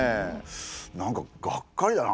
なんかがっかりだな。